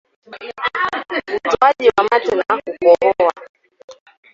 Utoaji wa mate na kukohoa